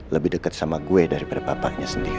lebih deket sama gue daripada bapaknya sendiri